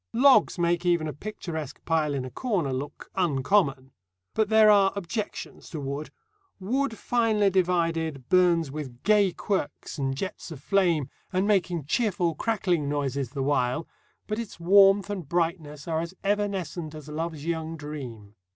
Logs make even a picturesque pile in a corner look "uncommon." But there are objections to wood. Wood finely divided burns with gay quirks and jets of flame, and making cheerful crackling noises the while; but its warmth and brightness are as evanescent as love's young dream.